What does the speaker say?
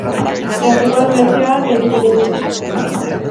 Klasikoen bertsioak egiten ibiltzen dira.